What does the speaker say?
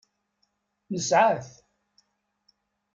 Nesɛa-t.